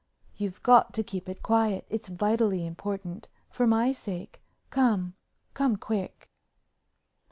You've got to keep it quiet, it's vitally important, for my sake. Come, come quick.